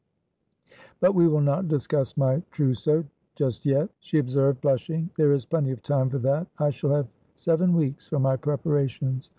"But we will not discuss my trousseau just yet," she observed, blushing. "There is plenty of time for that. I shall have seven weeks for my preparations.